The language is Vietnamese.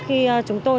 khi chúng tôi